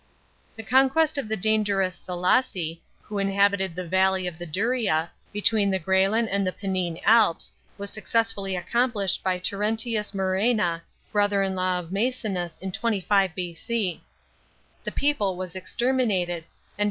The conquest of the dangerous Salassi, who inhabited the valley of the Duila, between the Gralan and Pennine Alps, was success fully accomplished by Terentius Murcna, brother in law of Maecenas in 25 B.C. The people was exterminated, cad f.